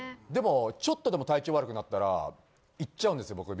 でもちょっとでも体調悪くなったら行っちゃうんですよ。